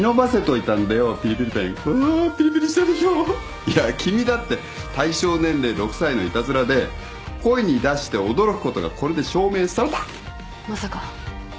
いや君だって対象年齢６歳のいたずらで声に出して驚くことがこれで証明された。